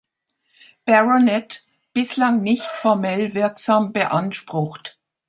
Baronet, bislang nicht formell wirksam beansprucht.